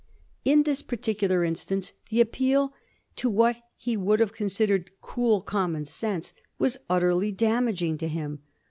In this particular instance the appeal to what he would have considered cool common sense was utterly damaging to him.